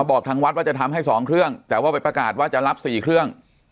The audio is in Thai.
บอกทางวัดว่าจะทำให้๒เครื่องแต่ว่าไปประกาศว่าจะรับ๔เครื่อง